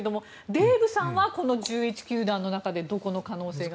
デーブさんはこの１１球団の中でどこの可能性が高いと？